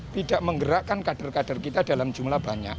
tidak menggerakkan kader kader kita dalam jumlah banyak